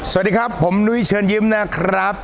สวัสดีครับผมนุ้ยเชิญยิ้มนะครับ